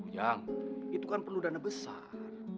waduh jang itu kan perlu dana besar